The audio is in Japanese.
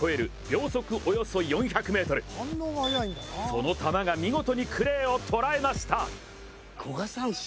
その弾が見事にクレーを捉えました。